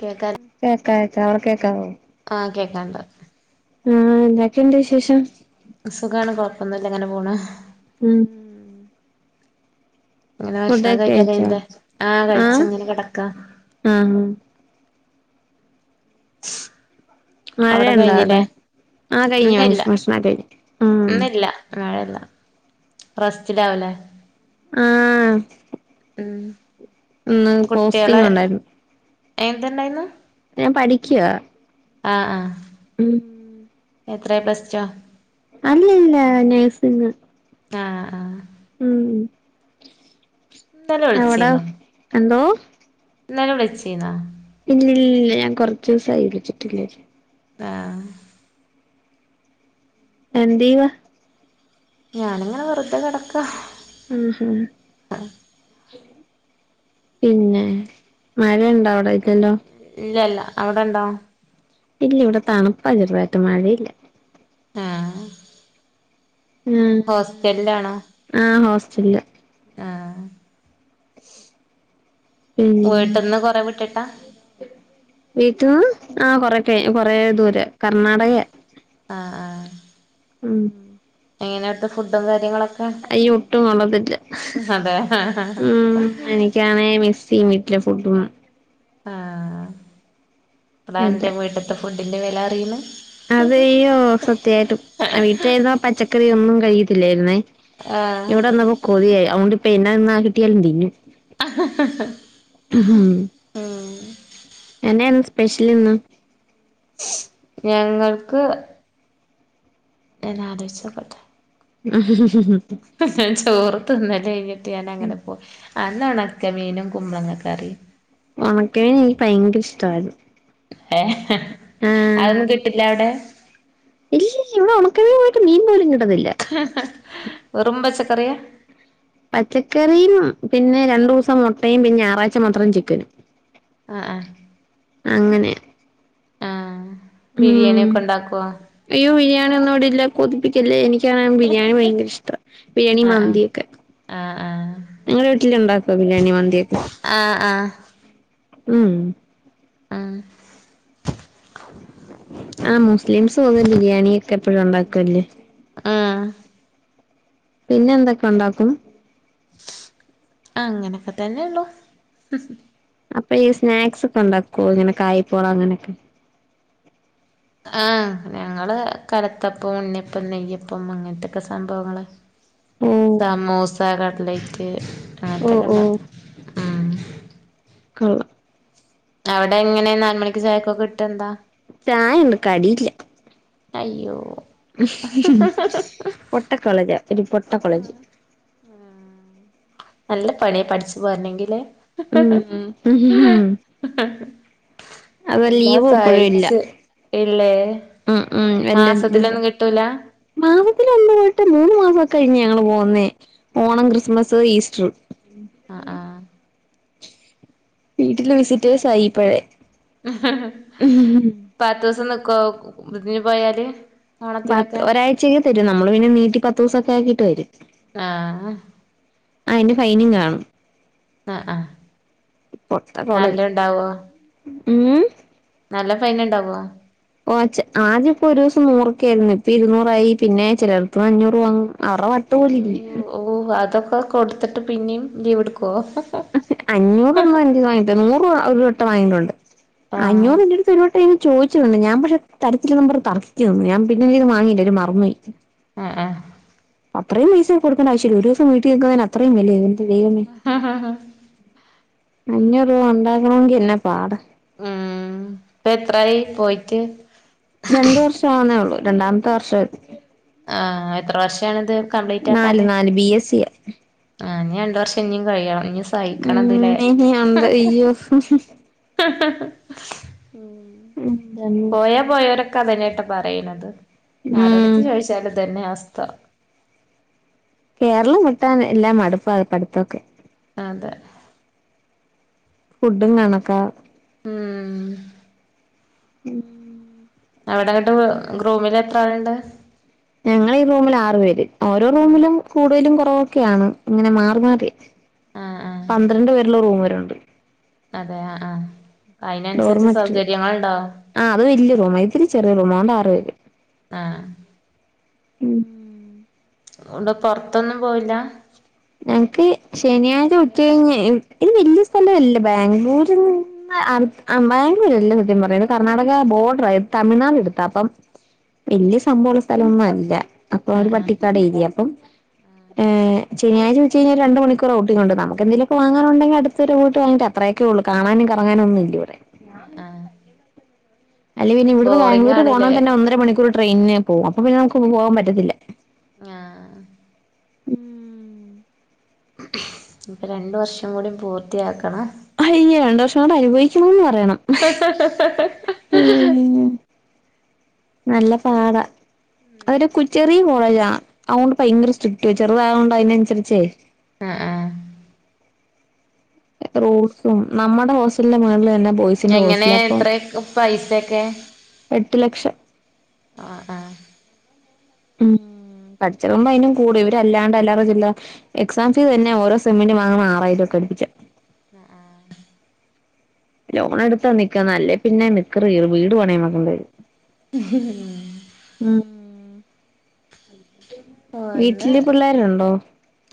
കേക്കാൽ കേക്കാ കേക്കാ അവട്ക്ക്‌ കേക്കാവോ ആഹ് കേക്കാണ്ട് ഉം എന്താക്കെണ്ട് വിശേഷം സുഖാണ് കൊഴപ്പൊന്നുല്ല ഇങ്ങനെ പോണ് ഉം ഇങ്ങനെ ഭക്ഷണം ഫുഡൊക്കെ കഴിച്ചോ കഴിക്കൊക്കെയ്ത് ആഹ് കഴിച്ച്ങ്ങനെ കെടക്കാ ആഹ് അവ്ടെ മഴയുണ്ടോ കഴിഞ്ഞ്ലേ അവിടെ ആഹ് കഴിഞ്ഞു ഇന്ന്ല്ല ഭക്ഷണൊക്കെ കഴിഞ്ഞു ഉം ഇന്ന്ല്ല മഴല്ലാ റസ്റ്റിലാവുലെ ആഹ് ഉം ഇന്ന് കുട്ട്യേള് പോസ്റ്റിംഗ് ഉണ്ടായിരുന്നു എന്ത്ണ്ടായിന്നു ഞാൻ പഠിക്ക്യാ ആഹ് ആഹ് ഉം എത്രേ പ്ലസ് റ്റൊ അല്ലല്ല നെഴ്സിങ് ആഹ് ആഹ് ഉം ഇന്നലെ അവടെ വിളിച്ചീന്നോ എന്തോ ഇന്നലെ വിളിച്ചീന്നൊ ഇല്ലില്ല ഞാൻ കൊറച്ചൂസായി വിളിച്ചിട്ടില്ലേ ആഹ് എന്തേയ്യുവാ ഞാനിങ്ങനെ വെറ്തെ കെടക്കാ അത് ശെരി പിന്നെ മഴയ്ണ്ടോ അവിടൊക്കെണ്ടോ ഇല്ല ഇല്ല അവിടെണ്ടോ ഇല്ല ഇവിടെ തണ്പ്പാ ചെറ്തായിട്ട് മഴയില്ല ആഹ് ഉം ഹോസ്റ്റൽലാണോ ആഹ് ഹോസ്റ്റലില് ആഹ് പിന്നെ വീട്ട്ന്ന് കൊറെ വിട്ട്ട്ടാ വീട്ട്ന്ന് ആ കൊറെക്കയി കൊറെ ദൂരെ കർണാടകയാ ആഹ് ആ ഉം എങ്ങനെവ്ട്ത്തെ ഫുഡും കാര്യങ്ങളൊ അയീ ഒട്ടും കൊളത്തില്ല അതെ ഉം എനി ക്കാണേ മിസ്സെയ്യും വീട്ടിലെ ഫുഡും ആഹ് ഇപ്പളാ അന്റെ അതെ വീട്ട്ത്തെ ഫുഡിന്റെ വെല അറിണെ അതെ യ്യോ സത്യായിട്ടും വീട്ടിലായിരുന്നപ്പ പച്ചക്കറിയൊന്നും കഴികത്തില്ലായിര്ന്നേ ആഹ് ഇവിടെ വന്നപ്പോ കൊതിയായി അവോണ്ട് ഇപ്പ എന്നാ തിന്നാ കിട്ടിയാലും തിന്നും ആ ഹ് ഹും എന്തേ ന്ന് സ്പെഷ്യൽ ഇന്ന്? ഞങ്ങൾക്ക് [unintelligible] ആ ചോറ് തിന്നല് ഴ്ഞ്ഞിട്ട് ഞാൻ അങ്ങട്ട് പോയി അന്ന് ഒണക്ക മീനും കുമ്പളങ്ങ കറി. ഒണക്കലീൻ എനിക്ക് ഭയങ്കര ഇഷ്ടയിരുന്നു. ഏഹ് അതൊന്നും കിട്ട്ല്ല അവടെ? ഇല്ല ഇല്ല ഇവടെ ഒണക്കമീ പോയിട്ട് മീൻ പോലും കിട്ടതില്ല. വെറും പച്ചക്കറിയ? പച്ചക്കറിയും പിന്നെ രണ്ടുസം മൊട്ടയും പിന്നെ ഞറാഴ്ച്ച മാത്രം ചിക്കനും. ആഹ് ആഹ് അങ്ങനെ ആഹ് ആഹ് ഉം ബിരിയാണി ഒക്കെ ഉണ്ടാക്കോ? അയ്യോ ബിരിയാണി ഒന്നും ഇട ഇല്ല. കൊതിപ്പിക്കല്ലേ എനിക്കാണ് ബിരിയാണി ഭയങ്കര ഇഷ്ട ബിരിയാണി, ആഹ് മന്തിക്കെ ആഹ് ആഹ് നിങ്ങളെ വീട്ട്ല് ണ്ടാക്കോ ബിരിയാണി മന്തിക്കെ? ആഹ് ആഹ് ഉം ആഹ് ആഹ് മുസ്ലിംസ് തോന്നു ബിരിയാണിയ ക്കെ എപ്പഴും ണ്ടാക്കല്ലേ? ആഹ് പിന്നെ എന്തൊക്കെ ണ്ടാക്കും? അങ്ങനക്കെ തന്നെയള്ളൂ. അപ്പ ഈ സ്നാക്സ് ഒക്കെ ണ്ടാക്കോ ഇങ്ങനെ കായ്പോള അങ്ങനെക്കെ. ആഹ് ഞങ്ങള് കലത്തപ്പം, ഉണ്ണിയപ്പം, നെയ്യപ്പം അങ്ങൻത്തൊക്കെ സംഭവങ്ങള്. ഓ സമൂസ, കട്ലൈറ്റ് ഓ അങ്ങൻത്തൊക്കെ ഓ ണ്ട ക്ക് അവടെ എങ്ങനെ നാല് മണിക്ക് ചായക്കൊ കിട്ട് ന്താ? ചായണ്ട് കടില്ല അയ്യോ! പൊട്ട കോളേജാ ഒരു പൊട്ട കോളേജ്. ആഹ് നല്ല പണിയ പഠിച്ച് പോരണെങ്കി ലേ? ഉം [unintelligible] അത് എല്ലാം ലീവും ഇപ്പഴും ഇല്ല സായിച്ച് ഇല്ലേ ഉം മാസത്തിലൊന്നും കിട്ടൂല? മാസത്തിൽ [unintelligible] വട്ടം മൂന്ന് മാസക്കെ ഴിഞ്ഞ് ഞങ്ങള് പോന്നേ ഓണം, ക്രിസ്മസ്, ഈസ്റ്റർ ആഹ് ആഹ് വീട്ട്ല് വിസിറ്റേഴ്സ് ആയിപ്പയെ. പത്ത് സം ന്ന്ക്കോ പിന്നെ പോയാല്? പത്ത് ഓണത്തിനൊക്കെ ഒരാഴ്ചക്ക് തരും നമ്മള് പിന്നെ നീട്ടി പത്തുസൊക്കെ ആക്കിട്ട് വരും. ആഹ് അയിന് ഫൈനും കാണും. ആഹ് ആഹ് പൊട്ട കോളേജ് നല്ലോണ്ടാവോ ഉം നല്ല ഫൈന് ണ്ടാവോ? ഓഹ് ച്ച് ആദ്യം പ്പോ ഒരു സം നൂറൊക്കെ ആയിരുന്നു ഇപ്പ ഇരുന്നൂറായി പിന്നെ ചെലട്ത്ത്ന്ന് അഞ്ഞൂറ് വാങ്ങും. അവരുടെ വട്ട് അയ്യോ! പോലിരിക്കും ഓഹ് അതക്ക കൊട്ത്ത്ട്ട് പിന്നിം ലീവ് എടുക്കോ? അഞ്ഞൂറൊന്നും [unintelligible] വാങ്ങിട്ട് നൂറ് ഒരു വട്ട വാങ്ങിട്ടുണ്ട്. ആഹ് അഞ്ഞൂറ് ൻ്റട്ത്ത് ഒരു വട്ടേ ചോയിച്ച്ട്ടുണ്ട് ഞാൻ [unintelligible] ഞാൻ പിന്നെ ഇത് വാങ്ങിയില്ല മറന്ന് പോയി. ഏഹ് ഏഹ് അത്രയും പൈസ കൊട്ക്കണ്ട ആവശ്യല്ല ഒരു സം വീട്ട്ൽ നിക്ക്ന്നേന് അത്രയും [unintelligible] ദൈവമേ അഞ്ഞൂറ് രൂപ ഉണ്ടാക്കണങ്കി ന്നെ പാട. ആഹ് ഇപ്പ എത്രായി പോയിട്ട്? രണ്ട് വർഷാവുന്നേ ള്ളൂ രണ്ടാമത്തെ വർഷ ആഹ എത്ര വർഷമാണിത് കംപ്ലീറ്റ് നാല് ആക്കാന് നാല് ബി എസ് സിയാ ആ ഇഞ് രണ്ട് വർഷം ഇനിയും കഴിയണം ഇ ഉ ന ആന്ത ഇോ [unintelligible] പോയ പോയവരൊക്കെ അതന്നൊയിട്ടാ പറയണുന്നത് ആരോടുത്ത് ഉം ചോദിച്ചാല് ഇതന്നെ അവസ്ഥ കേരളം വിട്ടൻ എല്ലാം മടുപ്പാ പഠിത്തൊക്കെ അതെ ഫുഡും കണക്കാ ഉം ഉം അവിടങ്ങോട്ട് റൂമിൽ എത്ര ആളുണ്ട് ഞങ്ങ ഈ റൂമിൽ ആറു പേര് ഓരോ റൂമിലും കൂടുതലും കുറവൊക്കെയാണ് ഇങ്ങനെ മാറി മാറിയ ആഹ് ആഹ് പന്ത്രണ്ട് പേരുള്ള റൂം വരുണ്ട് അതെ ആ് അതിനനുസരിച്ച് സൗകര്യങ്ങളുണ്ടോ ആഹ അത് വലിയ റൂം ഇത് ഇത്തിരി ചെറിയ റൂമാ അതോണ്ട് ആറ് പേര് ആഹ ഉം ഉണ്ട് പൊറത്തൊന്നും പോയില്ല ഞങ്ങക്ക് ശനിയാഴ്ച ഉച്ചകഴിഞ് ഇത് വല്യ സ്ഥലംല്ലേ ബാംഗ്ലൂര് ബാംഗ്ലൂര്ല്ല സത്യം പറയത് കർണ്ണാടക ബോർഡർ ആത് തമിഴ്നാട് അടുത്ത അപ്പം വല്യ സംഭവുള്ള സ്ഥലംന്നും അല്ല അപ്പൊ അവര് ആഹ് ആഹ് പട്ടിക്കാട് ഏരിയ അപ്പം ഏഹ ശനിയഴ്ച ഉച്ച കഴിഞ്ഞ രണ്ട് മണിക്കൂർ ണ്ട് നമുക്ക് എന്തെങ്കിലും ഒക്കെ വാങ്ങാനുെണ്ടങ്കിൽ അടുത്ത് വരെ പോയിട്ട് വരാം അത്രൊക്കെ ഉള്ളൂ കാണാനും കറങ്ങാനും ഒന്നുല്ലാ ഇവിടെ ഉ ആഹ അല്ലെ പിന്നെ ഇവിടുന്ന് ബാംഗ്ലൂർ പോണ ആണ്ല്ലേ തന്നെ ഒന്നര മണിക്കൂർ ട്രെയിനിന് പോകും അപ്പ പിന്നെ നമുക്ക് പോവാൻ പറ്റത്തില്ല ആഹ ഉം ഇപ്പം രണ്ട് വർഷം കൂടി പൂർത്തിയാക്കണം ഈ രണ്ട് വർഷം കൂടെ അനുഭവിക്കണംന്ന് പറയണം ഏ നല്ല പാട അവര് കു ച്ചെറിയ കോളേജാണ് അതൊണ്ട് ഭയങ്കര സ്ട്രിക്റ്റ് ചെറുതായണ്ട് അതിനനുസരിച്ചേ ആഹ ആ റൂൾസും നമ്മുടെ ഹോസ്റ്റലിന്റെ മുകളിൽ തന്നെ ബോയ് എങ്ങനെ എത്രയ പൈസൊക്കെ എട്ട് ലക്ഷം ആഹ് ആഹ് ഉം പഠിച്ചക്കുമ്പോ അതിനും കൂടും ഇവര് അല്ലാണ്ട് അല്ലറ ചില്ലറ എക്സാം ഫീസ് തന്നെ ഓരോ സെമന്റ് വാങ്ങണം ആറായിരംക്കെ അടുപ്പിച്ചാം അഹ് ആഹ് ലോൺടുത്താ നിക്കാ അല്ലേ പ്പിന്നെ നിക്കറു കീറും വീട് പണയം വയ്ക്കേണ്ടി വരും ഉ [unintelligible] ഉം ഒന്നെ വീട്ടില് പിള്ളേരുണ്ടോ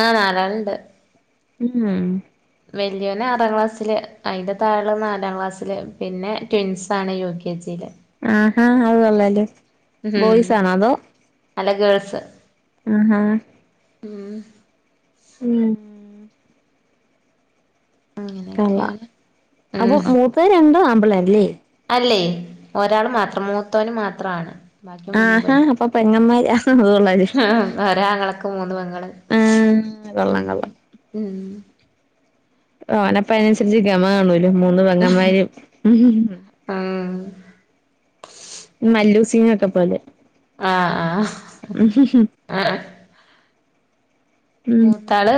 ആഹ് നാലാളുണ്ട് ഉം വല്യോനെ ആറാം ക്ലാസ്സില് അയിന്റെ താഴെള്ളതെ നാലാം ക്ലാസ്സില് പിന്നെ ട്വിൻസാണ് യു കെ ജിയില് ആഹാ അതു കൊള്ളാലോ ഉം ബോയ്സ് ആണോ അല്ല ഗേൾസെ ആഹ് ഉം [unintelligible] കള്ളാ അങ്ങനെയൊക്കെയാണ് ഉം അപ്പം മൂത്തതുരണ്ടും ആമ്പിള്ളേരല്ലേ അല്ലേ ഒരാളു മാത്രം മൂത്തോന് മാത്രം ആണ് ബാക്കി മൂന്നും ആഹാ പെണ്ണ് അപ്പൊ പെങ്ങന്മാര് കൊള്ളാല്ലേ ഒരാങ്ങളക്ക്‌ മൂന്ന് പെങ്ങള് ആഹ് കൊള്ളാം ഉം കൊള്ളാം ഉം ഓന് അപ്പൊ അയിനനുസരിച്ച് ഗമ കാണുവല്ലോ മൂന്ന് പെങ്ങമ്മാര് ആഹ് മല്ലു സിങ്ങൊക്കെ പോലെ ആഹ് ഉം ആഹ് മൂത്താള്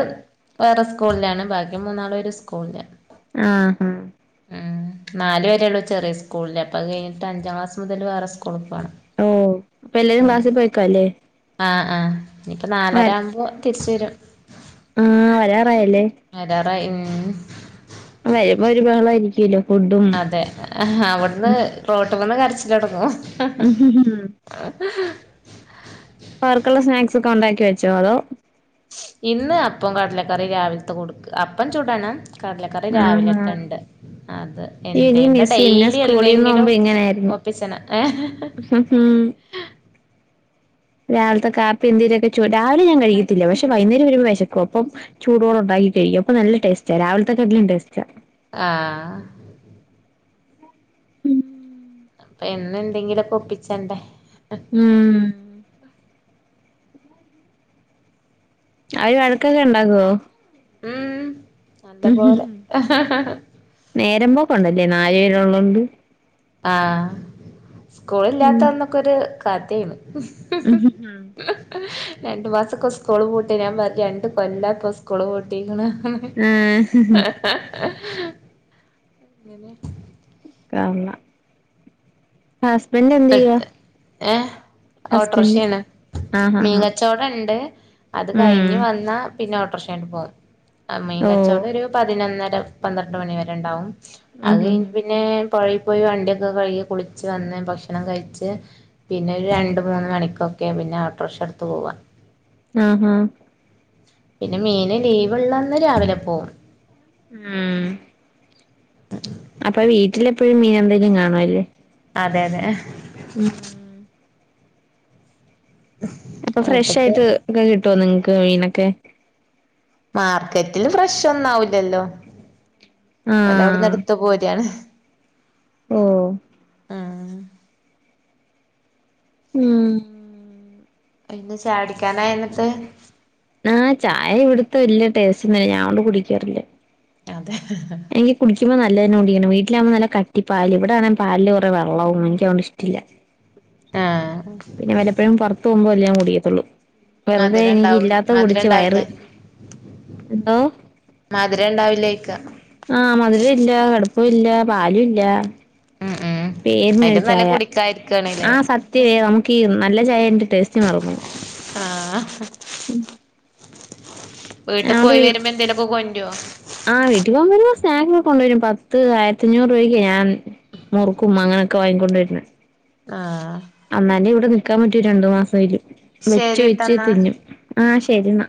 വേറെ സ്കൂളിലാണ് ബാക്കി മൂന്നാളും ഒരു സ്കൂളിലാ ആഹ് ഹാ ഉം നാലു വരെയുള്ളൂ ചെറിയ സ്കൂളില് അപ്പ അത് കഴിഞ്ഞിട്ട് അഞ്ചാം ക്ലാസ് മുതൽ വേറെ സ്കൂളി പോണം ഓഹ് അപ്പം എല്ലാരും അങ്ങനെ ക്ലാസി പോയേക്കുവാ അല്ലേ ആഹ് ആഹ് ഇനിപ്പൊ വര നാലരാവുമ്പോ തിരിച്ചു വരും ആഹ് വരാറായല്ലേ വരാറായി ഉം വരുമ്പം ഒരു ബഹളമായിയിരിക്കുവല്ലോ ഫുഡും അതെ അവിടുന്ന് റോട്ട്മെന്ന് കരച്ചിലൊട്ങ്ങും അവർക്കുള്ള സ്നാക്സൊക്കെ ഒണ്ടാക്കി വെച്ചോ അതോ ഇന്ന് അപ്പോം കടലക്കറി രാവിലത്തെ കൊടുക്ക് അപ്പം ചുടണം കടലക്കറി ആഹ് രാവിലെത്തെ ഇണ്ട് അത് എനിക്ക് എന്തേന്തെ മിസ് ചെയ്യുന്നെ ഡെയ്ലി സ്കൂളിൽ നിന്ന് എന്തെങ്കിലും പോകുമ്പോ ഒപ്പിച്ചണം ഹും ഹും രാവിലത്തെ കാപ്പി എന്തേലൊക്കെ ചുട രാവിലെ ഞാൻ കഴിക്കത്തില്ല പക്ഷെ വൈന്നേരം വരുമ്പം വെശക്കും അപ്പം ചൂടോടൊണ്ടാക്കി കഴിയ്ക്കും അപ്പം നല്ലടേസ്റ്റാ രാവിലത്തേക്കാട്ടിലും ടേസ്റ്റാ ആഹ് എന്നും എന്തെങ്കിലൊക്കെ ഒപ്പിച്ചണ്ടേ ഉം അവര് വഴക്കൊക്കെ ഉണ്ടാക്കുവോ ഉം നല്ലപോലെ നേരമ്പോക്കൊണ്ടല്ലേ നാല് പേര് ഒള്ളോണ്ട് ആഹ് സ്കൂളില്ലാത്തന്നക്കൊരു കഥെണ് ഉഹ് ഉം രണ്ട് മാസൊക്കെ സ്കൂള് പൂട്ട്യാ ഞാൻ പറയും രണ്ട് കൊല്ലാപ്പൊ സ്കൂളു പൂട്ടീക്ക്ണ്ന്ന് ആഹ് [unintelligible] ഇങ്ങനെ [unintelligible] ഹസ്ബന്റെ എട്ത്തെ ഏഹ് ഹസ്ബൻഡ് ഓട്ടോർഷേണ് ആഹ് ആഹ് മീൻകച്ചോ കച്ചോടം ഇണ്ട് അത് ഉം കഴിഞ്ഞ് വന്നാ പിന്നെ ഓട്ടർഷ ആയിട്ട് പോകും മീൻ ഓഹ് കച്ചോടം ഒരു പതിനൊന്നര പന്ത്രണ്ട് മണി വരെ ഇണ്ടാവും ഉം അത് ഉം കഴിഞ്ഞ് പിന്നെ പിന്നെ പുഴയി പോയി വണ്ടിയൊക്കെ കഴുകി കുളിച്ച് വന്ന് ഭക്ഷ ഭക്ഷണം കഴിച്ച് പിന്നെ ഒരു രണ്ട് മൂന്ന് മണിക്കൊക്കെ പിന്നെ ഓട്ടോർക്ഷ ഇടുത്ത് പോവ ഉം ഉം പിന്നെ മീന് ലീവ് ഇള്ളന്ന് രാവിലെ പോവും ഉം [unintelligible] അപ്പൊ വീട്ടിലെപ്പോഴും മീനെന്തേലും കാണും അല്ലേ അതെ അതെ ഉം അപ്പൊ ഫ്രഷ് വീട്ട്ക്ക് ആയിട്ട് ഒക്കെ കിട്ടുവോ നിങ്ങക്ക് മീനൊക്കെ മാർക്കറ്റിൽ ഫ്രഷ് ഒന്നാവുല്ലല്ലോ ഓല് അവിടെന്ന് ആഹ് ഇടുത്ത് പോരാണ് ഓഹ് ആഹ് ഉം ഇന്ന് ചായുടിക്കാനായോ ഇന്നട്ട് ആഹ് ചായ ഇവട്ത്തെ വല്ല്യ ടേസ്റ്റ് ഒന്നുല്ല ഞാൻ അതോണ്ട് കുടിക്കാറില്ല അതെ എനിക്ക് കുടിക്കുമ്പം നല്ലതന്നെ കുടിക്കണം വീട്ടിലാവുമ്പം നല്ല കട്ടി പാല് ഇവിടാണേ പാൽല് കുറെ വെള്ളവും എനിക്കതോണ്ട് ഇഷ്ടില്ല. ആഹ് പിന്നെ വലപ്പഴും പുറത്ത് പോകുമ്പോ വല്ലോം ഞാൻ കുടിക്കത്തൊള്ളൂ വെറുതെ മധുരം എനിക്ക് ഉണ്ടാവൂ ഇല്ലാത്ത മധുരം കുടിച്ച് വയറ് ഉണ്ടാവില്ലേ എന്തോ മധുര ഉണ്ടാവില്ലേ ചോയ്ക്ക ആഹ് മധുര ഇല്ല കടുപ്പവുല്ല പാലൂ ഇല്ല ഉം ഉം പേരിനൊരു അയിലും നല്ല ചായ. കുടിക്കായിരിക്കാണ്ല്ലേ ആഹ് സ ത്ത്യേ നമുക്കീ നല്ല ചായൻ്റ ടേസ്റ്റ് മറന്നോവും ആഹ് ഉം വീട്ട് പോയി വരുമ്പോ എന്തേലൊക്കെ കൊണ്ട്ര്വോ? ആഹ് വീട്ടി പോകുമ്പോ വരുമ്പോ സ്നാക്ക് ഒക്കെ കൊണ്ടുവരും പത്ത് ആയിരത്തിഞ്ഞൂറ് രൂപയ്ക്ക് ഞാൻ മുറുക്കും അങ്ങനെയൊക്കെ വാങ്ങിക്കൊണ്ട് വര്ണെ ആഹ് അന്നാലെ ഇവടെ നിക്കാൻ പറ്റൂ രണ്ടു മാസേലും. വെച്ച് വെച്ച് ശരിട്ടന്നാ തിന്നും. ആഹ് ശരി ന്നാ.